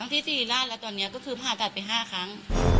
อันที่๔ล่านและตอนนี้ผ่าตัดไป๕ครั้ง